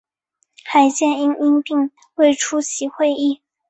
叶剑英因病未出席会议。